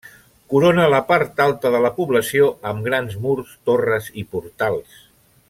Corona la part alta de la població, amb grans murs, torres i portals.